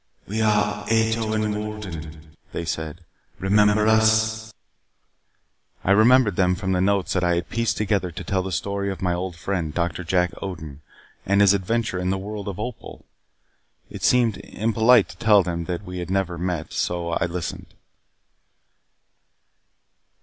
"We are Ato and Wolden," they said. "Remember us?" I remembered them from the notes that I had pieced together to tell the story of my old friend, Doctor Jack Odin, and his adventure in the World of Opal. It seemed impolite to tell them that we had never met. So I listened.